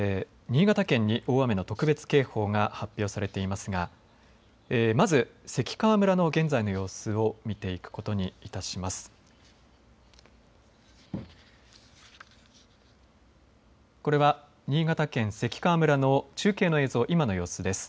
新潟県に大雨の特別警報が発表されていますがまず関川村の現在の様子を見ていくことにいたします。